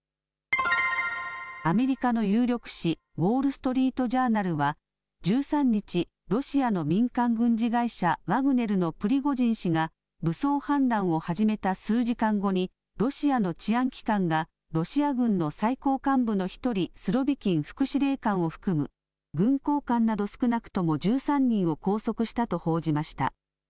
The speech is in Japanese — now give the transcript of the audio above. アメリカの有力紙、ウォール・ストリート・ジャーナルは１３日、ロシアの民間軍事会社、ワグネルのプリゴジン氏が武装反乱を始めた数時間後にロシアの治安機関がロシア軍の最高幹部の１人、スロビキン副司令官を含む軍高官など少なくとも１３人を拘束したと報じました。